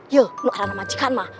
yo lu arangnya majikan mah